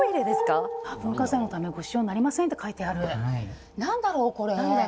文化財のため、ご使用になれませんって書いてある。